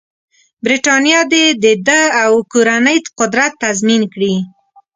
برټانیه دې د ده او کورنۍ قدرت تضمین کړي.